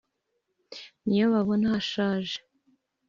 ni yo babona yashaje